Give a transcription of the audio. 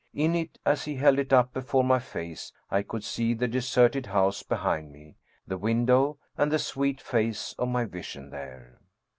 In it, as he held it up before my face, I could see the deserted house behind me, the window, and the sweet face of my vision there.